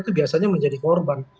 itu biasanya menjadi korban